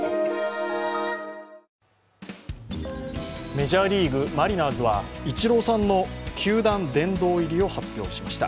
メジャーリーグマリナーズはイチローさんの球団殿堂入りを発表しました。